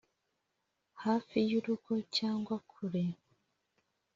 hafi y'urugo cyangwa kure,